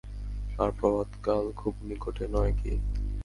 আর প্রভাত কাল খুব নিকটে নয় কি?